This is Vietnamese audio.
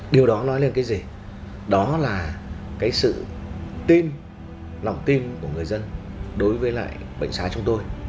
điều đó nói lên cái gì đó là cái sự tin lòng tin của người dân đối với lại bệnh xá chúng tôi